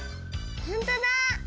ほんとだ！